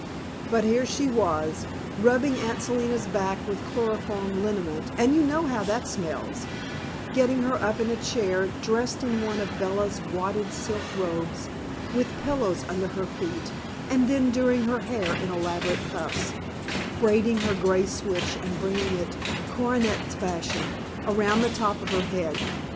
But here she was, rubbing Aunt Selina's back with chloroform liniment and you know how that smells getting her up in a chair, dressed in one of Bella's wadded silk robes, with pillows under her feet, and then doing her hair in elaborate puffs braiding her gray switch and bringing it, coronet fashion, around the top of her head.